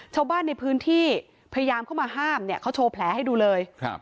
ชาวบ้านในพื้นที่พยายามเข้ามาห้ามเนี่ยเขาโชว์แผลให้ดูเลยครับ